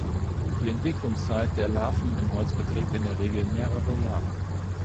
Die Entwicklungszeit der Larven im Holz beträgt in der Regel mehrere Jahre.